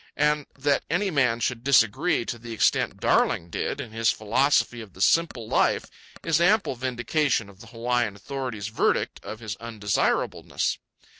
And that any man should disagree to the extent Darling did in his philosophy of the simple life is ample vindication of the Hawaiian authorities verdict of his undesirableness.